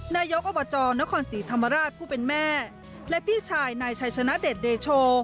นายกอบจนครศรีธรรมราชผู้เป็นแม่และพี่ชายนายชัยชนะเดชเดโช